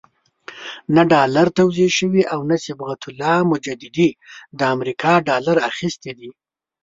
نه ډالر توزیع شوي او نه صبغت الله مجددي د امریکا ډالر اخیستي دي.